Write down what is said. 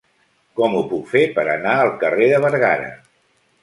Com ho puc fer per anar al carrer de Bergara?